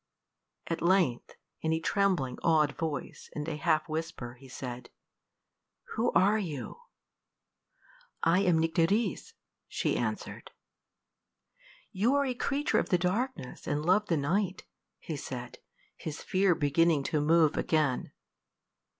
At length, in a trembling, awed voice, and a half whisper, he said, "Who are you?" "I am Nycteris," she answered. "You are a creature of the darkness, and love the night," he said, his fear beginning to move again.